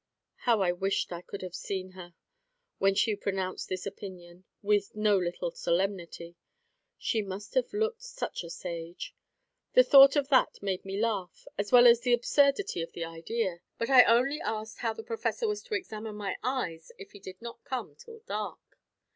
How I wished I could have seen her, when she pronounced this opinion, with no little solemnity. She must have looked such a sage! The thought of that made me laugh, as well as the absurdity of the idea. But I only asked how the Professor was to examine my eyes, if he did not come till dark.